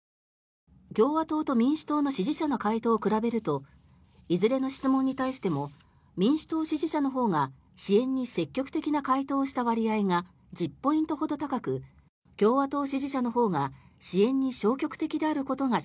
共和党と民主党の支持者の回答を比べるといずれの質問に対しても民主党支持者のほうが支援に積極的な回答をした割合が１０ポイントほど高く共和党支持者のほうが支援に消極的であることが